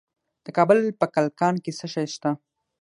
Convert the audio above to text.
د کابل په کلکان کې څه شی شته؟